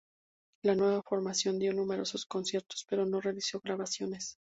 La nueva formación dio numerosos conciertos pero no realizó grabaciones.